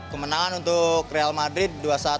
kemenangan untuk real madrid dua satu